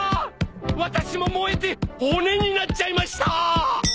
私も燃えて骨になっちゃいました！